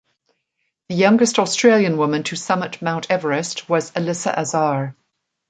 The youngest Australian woman to summit Mount Everest was Alyssa Azar.